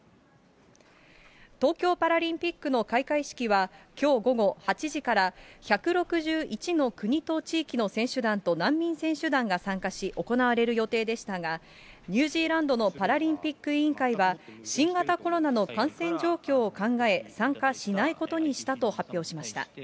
東京パラリンピックの開会式は、きょう午後８時から、１６１の国と地域の選手団と難民選手団が参加し、行われる予定でしたが、ニュージーランドのパラリンピック委員会は、新型コロナの感染状況を考え、参加しないことにしたと発表しました。